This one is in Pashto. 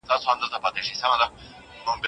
د سردرد شدت د بدن حالت پورې تړلی دی.